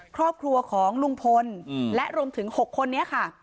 ครอบครัวของลุงพลและรวมถึง๖คนนี้ค่ะ